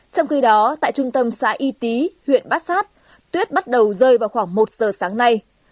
trong khi đó tại trung tâm xã y tý huyện bát sát tuyết bắt đầu rơi vào khoảng một giờ sáng nay